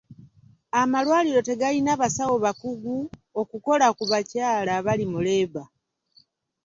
Amalwaliro tegalina basawo bakugu okukola ku bakyala abali mu leeba.